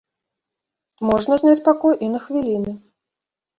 Можна зняць пакой і на хвіліны.